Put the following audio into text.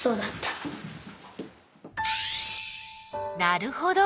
なるほど。